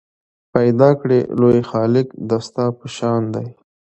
پیدا کړی لوی خالق دا ستا په شان دی